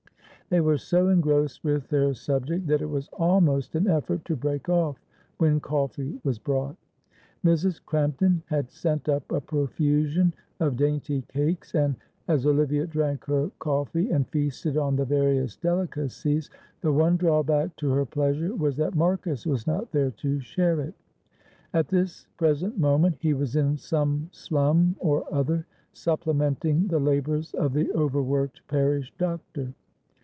They were so engrossed with their subject that it was almost an effort to break off when coffee was brought. Mrs. Crampton had sent up a profusion of dainty cakes, and as Olivia drank her coffee and feasted on the various delicacies, the one drawback to her pleasure was that Marcus was not there to share it. At this present moment he was in some slum or other supplementing the labours of the overworked parish doctor.